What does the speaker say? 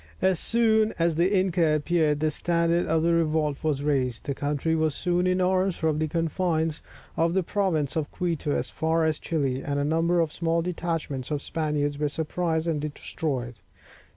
As soon as the inca appeared, the standard of revolt was raised. The country was soon in arms from the confines of the province of Quito as far as Chili, and a number of small detachments of Spaniards were surprised and destroyed.